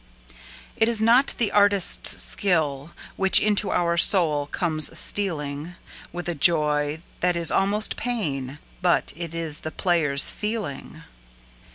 It is not the artist's skill which into our soul comes stealing With a joy that is almost pain, but it is the player's feeling.